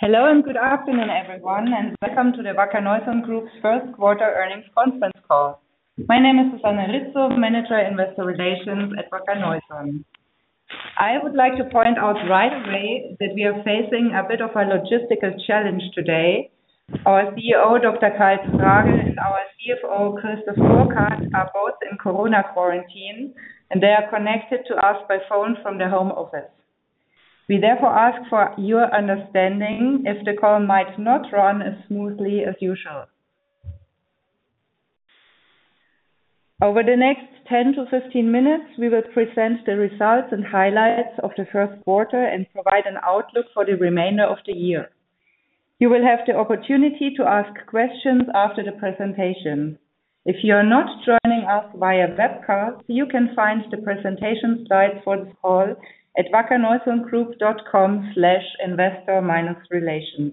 Hello and good afternoon, everyone, and welcome to the Wacker Neuson Group's First Quarter Earnings Conference Call. My name is Susanne Rizzo, Manager Investor Relations at Wacker Neuson. I would like to point out right away that we are facing a bit of a logistical challenge today. Our CEO, Dr. Karl Tragl, and our CFO, Christoph Burkhard, are both in COVID quarantine, and they are connected to us by phone from their home office. We therefore ask for your understanding if the call might not run as smoothly as usual. Over the next 10 to 15 minutes, we will present the results and highlights of the first quarter and provide an outlook for the remainder of the year. You will have the opportunity to ask questions after the presentation. If you are not joining us via webcast, you can find the presentation slides for this call at wackerneusongroup.com/investor-relations.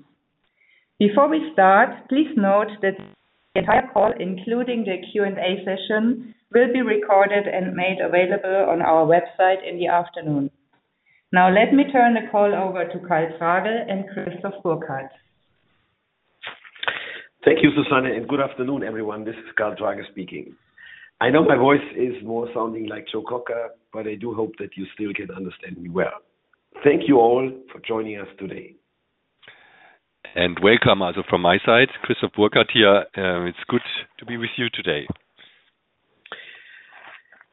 Before we start, please note that the entire call, including the Q&A session, will be recorded and made available on our website in the afternoon. Now let me turn the call over to Karl Tragl and Christoph Burkhard. Thank you, Susanne, and good afternoon, everyone. This is Dr. Karl Tragl speaking. I know my voice is more sounding like Joe Cocker, but I do hope that you still can understand me well. Thank you all for joining us today. Welcome also from my side. Christoph Burkhard here. It's good to be with you today.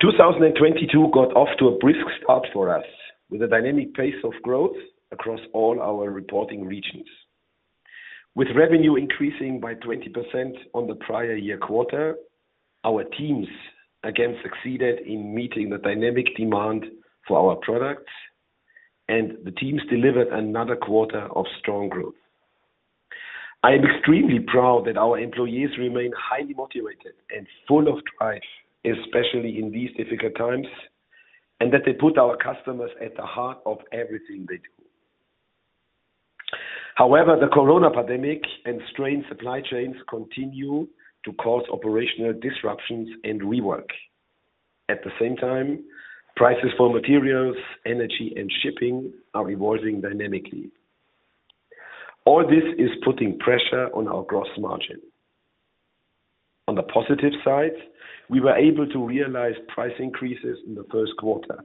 2022 got off to a brisk start for us with a dynamic pace of growth across all our reporting regions. With revenue increasing by 20% on the prior year quarter, our teams again succeeded in meeting the dynamic demand for our products, and the teams delivered another quarter of strong growth. I am extremely proud that our employees remain highly motivated and full of drive, especially in these difficult times, and that they put our customers at the heart of everything they do. However, the COVID pandemic and strained supply chains continue to cause operational disruptions and rework. At the same time, prices for materials, energy, and shipping are evolving dynamically. All this is putting pressure on our gross margin. On the positive side, we were able to realize price increases in the first quarter.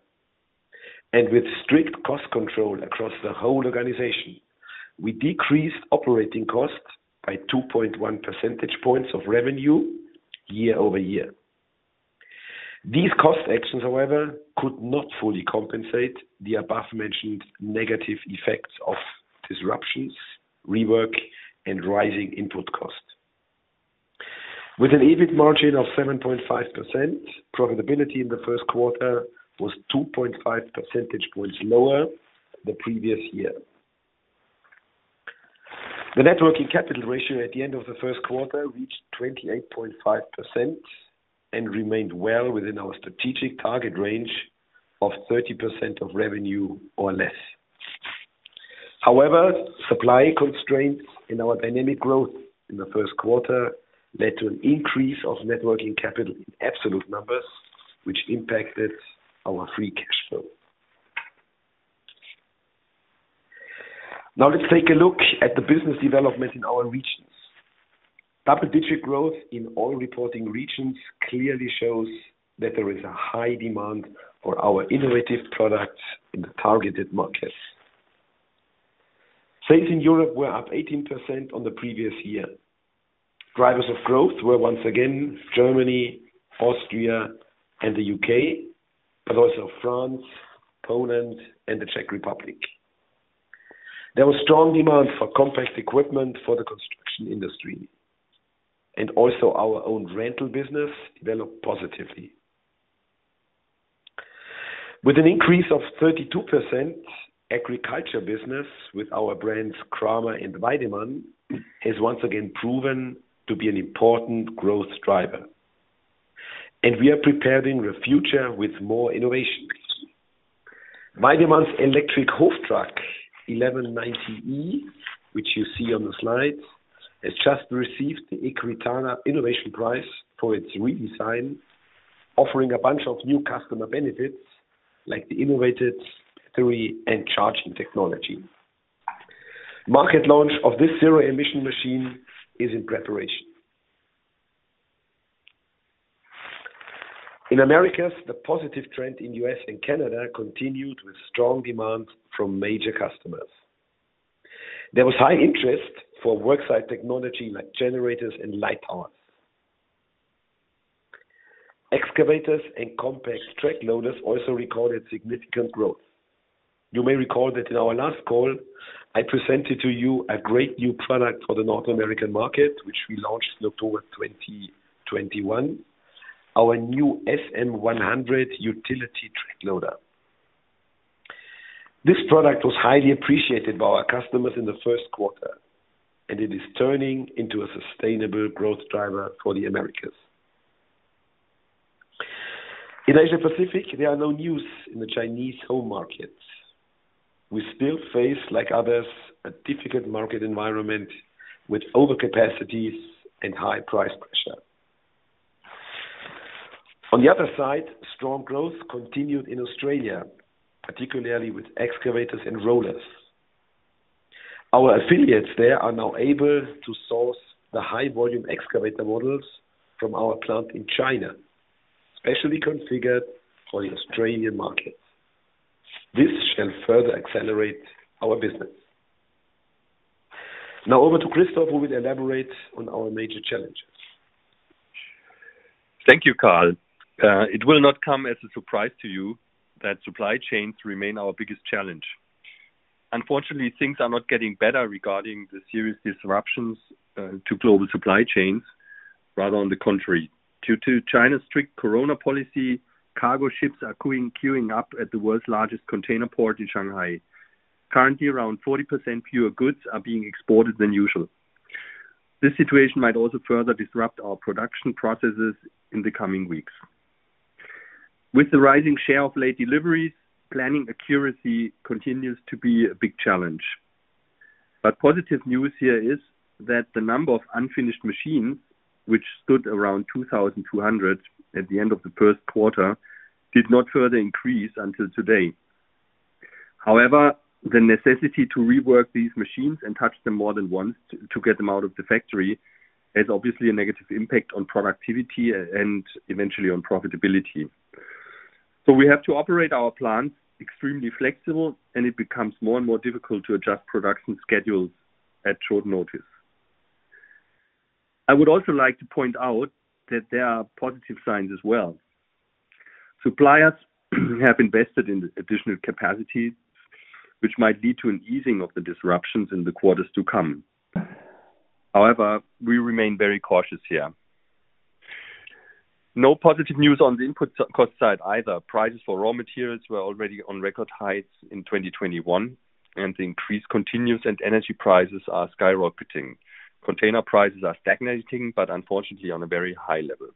With strict cost control across the whole organization, we decreased operating costs by 2.1 percentage points of revenue year-over-year. These cost actions, however, could not fully compensate the above-mentioned negative effects of disruptions, rework, and rising input costs. With an EBIT margin of 7.5%, profitability in the first quarter was 2.5 percentage points lower the previous year. The net working capital ratio at the end of the first quarter reached 28.5% and remained well within our strategic target range of 30% of revenue or less. However, supply constraints in our dynamic growth in the first quarter led to an increase of net working capital in absolute numbers, which impacted our free cash flow. Now let's take a look at the business development in our regions. Double-digit growth in all reporting regions clearly shows that there is a high demand for our innovative products in the targeted markets. Sales in Europe were up 18% on the previous year. Drivers of growth were once again Germany, Austria, and the UK, but also France, Poland, and the Czech Republic. There was strong demand for compact equipment for the construction industry, and also our own rental business developed positively. With an increase of 32%, agriculture business with our brands Kramer and Weidemann has once again proven to be an important growth driver. We are preparing the future with more innovations. Weidemann's electric Hoftrac 1190e, which you see on the slide, has just received the AGRITECHNICA Innovation Award for its redesign, offering a bunch of new customer benefits like the innovative battery and charging technology. Market launch of this zero-emission machine is in preparation. In the Americas, the positive trend in US and Canada continued with strong demand from major customers. There was high interest for worksite technology like generators and light towers. Excavators and compact track loaders also recorded significant growth. You may recall that in our last call, I presented to you a great new product for the North American market, which we launched in October 2021, our new SM100 utility track loader. This product was highly appreciated by our customers in the first quarter, and it is turning into a sustainable growth driver for the Americas. In Asia Pacific, there is no news in the Chinese home market. We still face, like others, a difficult market environment with overcapacities and high price pressure. On the other side, strong growth continued in Australia, particularly with excavators and rollers. Our affiliates there are now able to source the high volume excavator models from our plant in China, especially configured for the Australian market. This shall further accelerate our business. Now over to Christoph, who will elaborate on our major challenges. Thank you, Dr. Karl Tragl. It will not come as a surprise to you that supply chains remain our biggest challenge. Unfortunately, things are not getting better regarding the serious disruptions to global supply chains. Rather on the contrary. Due to China's strict corona policy, cargo ships are queuing up at the world's largest container port in Shanghai. Currently, around 40% fewer goods are being exported than usual. This situation might also further disrupt our production processes in the coming weeks. With the rising share of late deliveries, planning accuracy continues to be a big challenge. Positive news here is that the number of unfinished machines, which stood around 2,200 at the end of the first quarter, did not further increase until today. However, the necessity to rework these machines and touch them more than once to get them out of the factory, has obviously a negative impact on productivity and eventually on profitability. We have to operate our plants extremely flexible, and it becomes more and more difficult to adjust production schedules at short notice. I would also like to point out that there are positive signs as well. Suppliers have invested in additional capacity, which might lead to an easing of the disruptions in the quarters to come. However, we remain very cautious here. No positive news on the input cost side either. Prices for raw materials were already on record highs in 2021, and the increase continues and energy prices are skyrocketing. Container prices are stagnating, but unfortunately on a very high level.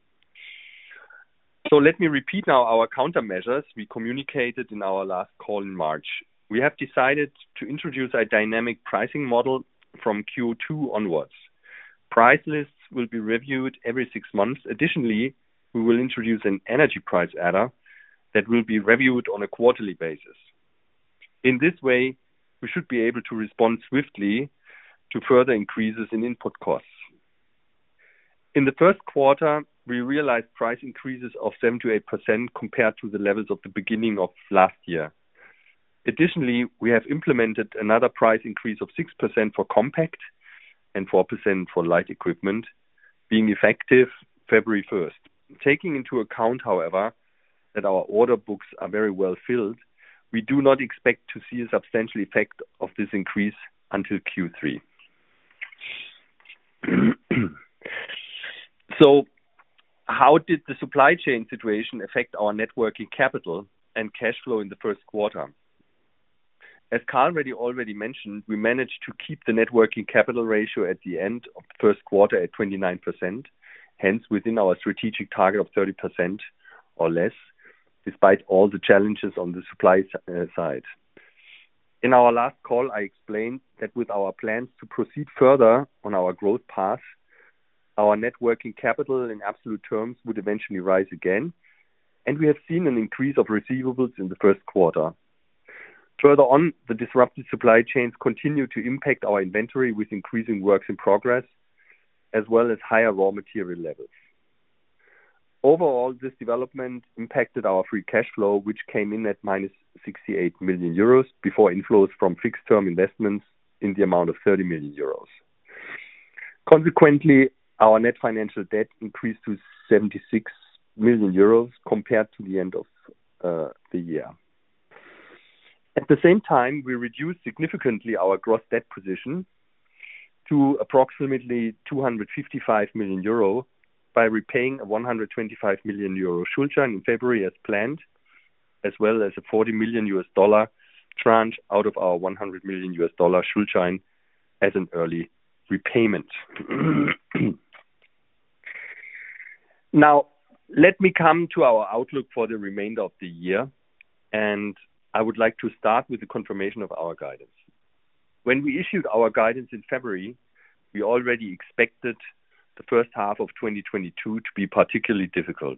Let me repeat now our countermeasures we communicated in our last call in March. We have decided to introduce a dynamic pricing model from Q2 onwards. Price lists will be reviewed every six months. Additionally, we will introduce an energy price adder that will be reviewed on a quarterly basis. In this way, we should be able to respond swiftly to further increases in input costs. In the first quarter, we realized price increases of 7%-8% compared to the levels of the beginning of last year. Additionally, we have implemented another price increase of 6% for compact equipment and 4% for light equipment, being effective February first. Taking into account, however, that our order books are very well filled, we do not expect to see a substantial effect of this increase until Q3. How did the supply chain situation affect our net working capital and cash flow in the first quarter? As Karl already mentioned, we managed to keep the net working capital ratio at the end of the first quarter at 29%, hence within our strategic target of 30% or less, despite all the challenges on the supply side. In our last call, I explained that with our plans to proceed further on our growth path, our net working capital in absolute terms would eventually rise again. We have seen an increase of receivables in the first quarter. Further on, the disrupted supply chains continue to impact our inventory with increasing works in progress, as well as higher raw material levels. Overall, this development impacted our free cash flow, which came in at -68 million euros before inflows from fixed term investments in the amount of 30 million euros. Consequently, our net financial debt increased to 76 million euros compared to the end of the year. At the same time, we reduced significantly our gross debt position to approximately 255 million euro by repaying a 125 million euro Schuldschein in February as planned, as well as a $40 million tranche out of our $100 million Schuldschein as an early repayment. Now, let me come to our outlook for the remainder of the year, and I would like to start with the confirmation of our guidance. When we issued our guidance in February, we already expected the first half of 2022 to be particularly difficult.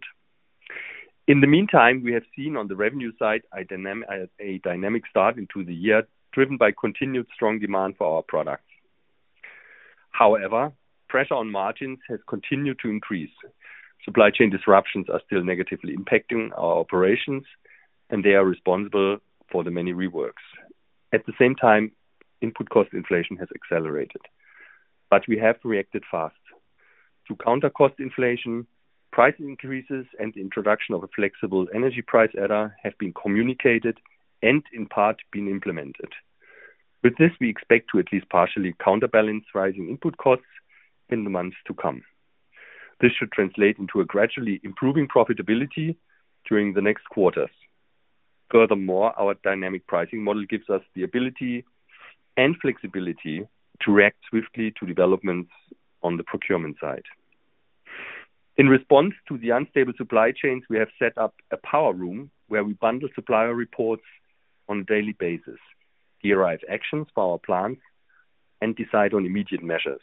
In the meantime, we have seen on the revenue side a dynamic start into the year, driven by continued strong demand for our products. However, pressure on margins has continued to increase. Supply chain disruptions are still negatively impacting our operations, and they are responsible for the many reworks. At the same time, input cost inflation has accelerated. We have reacted fast. To counter cost inflation, price increases and the introduction of a flexible energy price adder have been communicated and in part been implemented. With this, we expect to at least partially counterbalance rising input costs in the months to come. This should translate into a gradually improving profitability during the next quarters. Furthermore, our dynamic pricing model gives us the ability and flexibility to react swiftly to developments on the procurement side. In response to the unstable supply chains, we have set up a war room where we bundle supplier reports on a daily basis, derive actions for our plants. Decide on immediate measures.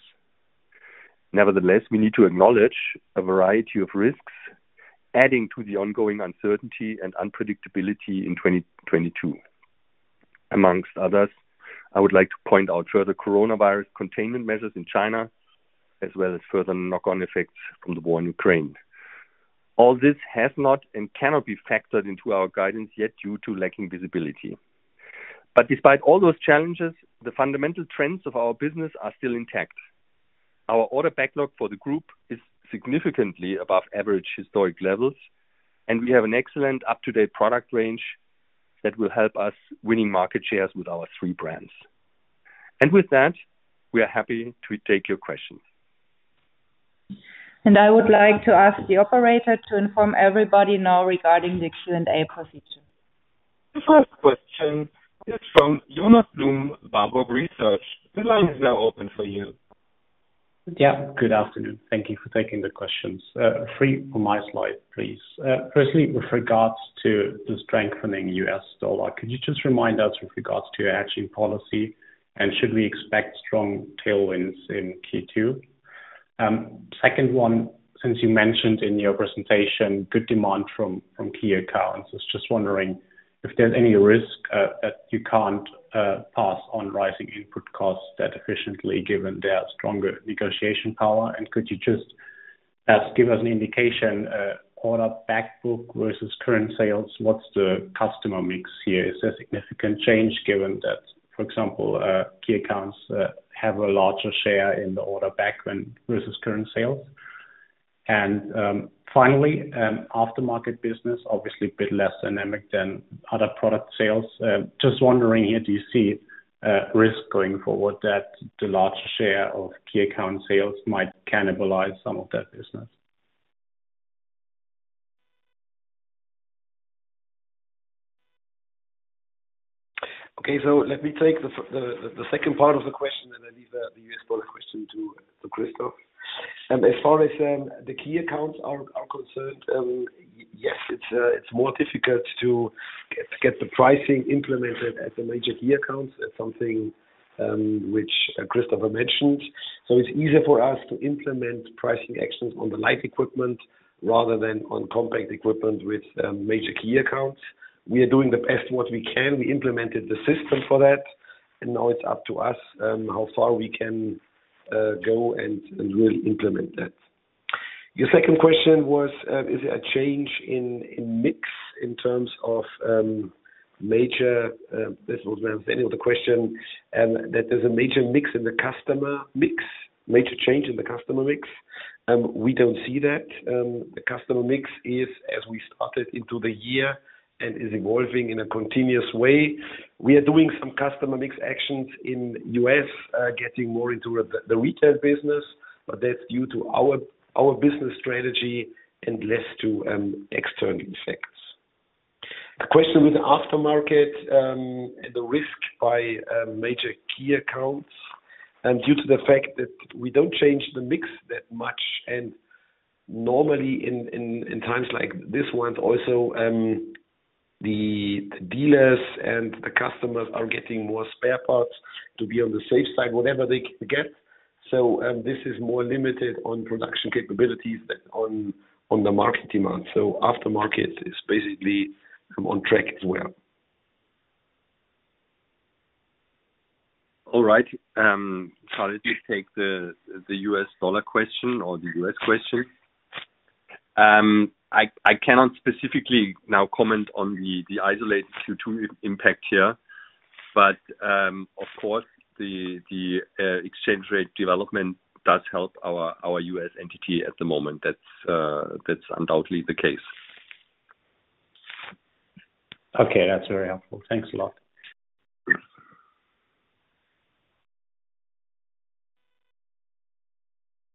Nevertheless, we need to acknowledge a variety of risks adding to the ongoing uncertainty and unpredictability in 2022. Among others, I would like to point out further coronavirus containment measures in China, as well as further knock-on effects from the war in Ukraine. All this has not and cannot be factored into our guidance yet due to lacking visibility. Despite all those challenges, the fundamental trends of our business are still intact. Our order backlog for the group is significantly above average historic levels, and we have an excellent up-to-date product range that will help us winning market shares with our three brands. With that, we are happy to take your questions. I would like to ask the operator to inform everybody now regarding the Q&A procedure. The first question is from Jonas Blum, Warburg Research. The line is now open for you. Yeah. Good afternoon. Thank you for taking the questions. Three for my slide, please. Firstly, with regards to the strengthening U.S. dollar, could you just remind us with regards to your hedging policy, and should we expect strong tailwinds in Q2? Second one, since you mentioned in your presentation good demand from key accounts, I was just wondering if there's any risk that you can't pass on rising input costs as efficiently given their stronger negotiation power. Could you just give us an indication, order backlog versus current sales, what's the customer mix here? Is there significant change given that, for example, key accounts have a larger share in the order backlog versus current sales? Finally, aftermarket business, obviously a bit less dynamic than other product sales. Just wondering here, do you see risk going forward that the large share of key account sales might cannibalize some of that business? Okay. Let me take the second part of the question, and I'll leave the US dollar question to Christoph. As far as the key accounts are concerned, yes, it's more difficult to get the pricing implemented at the major key accounts. That's something which Christoph mentioned. It's easier for us to implement pricing actions on the light equipment rather than on compact equipment with major key accounts. We are doing the best what we can. We implemented the system for that, and now it's up to us how far we can go and really implement that. Your second question was, is there a change in mix in terms of major change in the customer mix. This was now Daniel, the question, that there's a major change in the customer mix. We don't see that. The customer mix is as we started into the year and is evolving in a continuous way. We are doing some customer mix actions in US, getting more into the retail business, but that's due to our business strategy and less to external effects. The question with aftermarket, the risk by major key accounts, due to the fact that we don't change the mix that much. Normally in times like this one also, the dealers and the customers are getting more spare parts to be on the safe side, whatever they can get. This is more limited on production capabilities than on the market demand. Aftermarket is basically on track as well. All right. Shall I just take the US dollar question or the US question? I cannot specifically now comment on the isolated Q2 impact here, but of course the exchange rate development does help our US entity at the moment. That's undoubtedly the case. Okay. That's very helpful. Thanks a lot.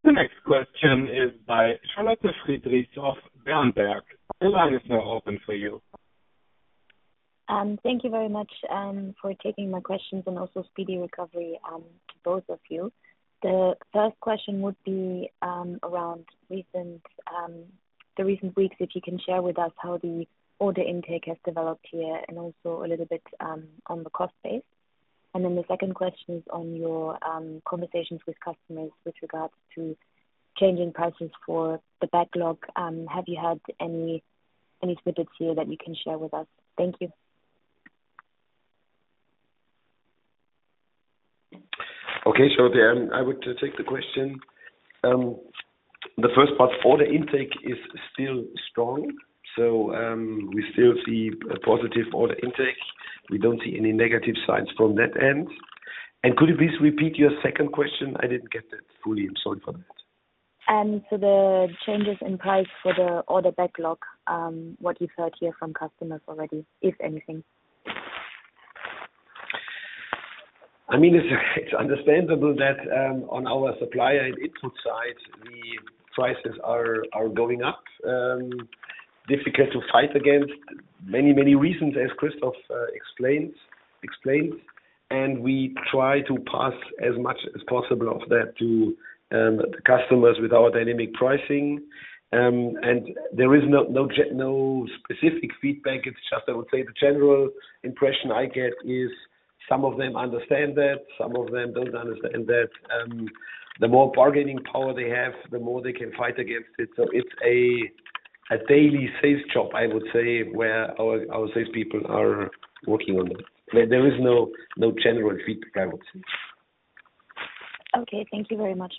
The next question is by Charlotte Friedrichs of Berenberg. The line is now open for you. Thank you very much for taking my questions and also speedy recovery to both of you. The first question would be around the recent weeks, if you can share with us how the order intake has developed here and also a little bit on the cost base. The second question is on your conversations with customers with regards to changing prices for the backlog. Have you had any tidbits here that you can share with us? Thank you. Okay. Sure. I would take the question. The first part, order intake is still strong. We still see a positive order intake. We don't see any negative signs from that end. Could you please repeat your second question? I didn't get that fully. I'm sorry for that. The changes in price for the order backlog, what you've heard here from customers already, if anything. I mean, it's understandable that on our supplier and input side, the prices are going up. Difficult to fight against. Many reasons as Christoph explains, and we try to pass as much as possible of that to the customers with our dynamic pricing. There is no specific feedback. It's just I would say the general impression I get is some of them understand that, some of them don't understand that. The more bargaining power they have, the more they can fight against it. It's a daily sales job, I would say, where our sales people are working on that. There is no general feedback, I would say. Okay. Thank you very much.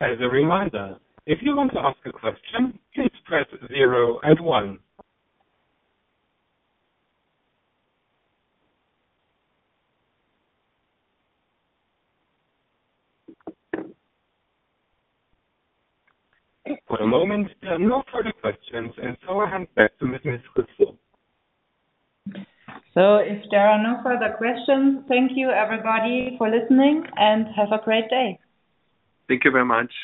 As a reminder, if you want to ask a question, please press zero and one. For the moment, there are no further questions, and so I hand back to Ms. Rizzo. If there are no further questions, thank you everybody for listening, and have a great day. Thank you very much.